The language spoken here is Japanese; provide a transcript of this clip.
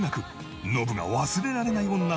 ノブが忘れられない女